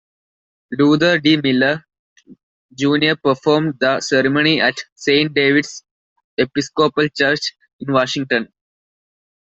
Luther D. Miller Junior performed the ceremony at Saint David's Episcopal Church in Washington.